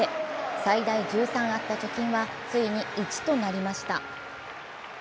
最大１３あった貯金は、ついに１となりました。